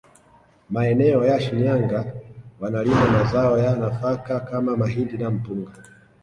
Maeneo ya Shinyanga wanalima mazao ya nafaka kama mahindi na mpunga